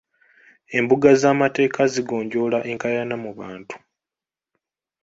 Embuga z'amateeka zigonjoola enkaayana mu bantu.